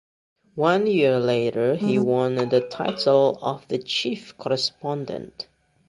One year later he won the title of the chief correspondent.